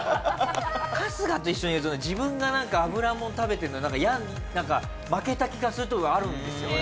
春日と一緒にいるとね自分が脂もん食べてるのなんか嫌負けた気がするとこがあるんですよね